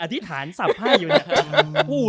อธิษฐานกินสับไพ่อยู่นะ